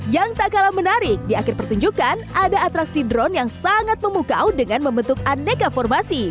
yang tak kalah menarik di akhir pertunjukan ada atraksi drone yang sangat memukau dengan membentuk aneka formasi